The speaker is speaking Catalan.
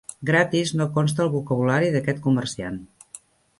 "Gratis" no consta al vocabulari d'aquest comerciant.